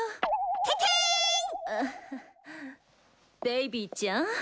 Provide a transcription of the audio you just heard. ベイビーちゃん